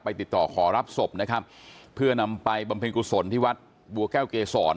ติดต่อขอรับศพนะครับเพื่อนำไปบำเพ็ญกุศลที่วัดบัวแก้วเกษร